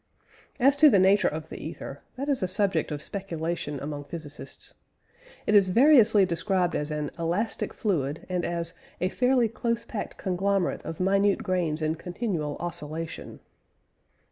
As to the nature of the ether, that is a subject of speculation among physicists. It is variously described as an "elastic fluid," and as "a fairly close packed conglomerate of minute grains in continual oscillation."